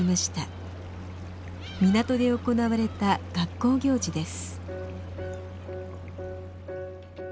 港で行われた学校行事です。